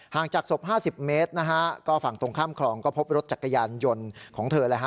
จากศพ๕๐เมตรนะฮะก็ฝั่งตรงข้ามคลองก็พบรถจักรยานยนต์ของเธอเลยฮะ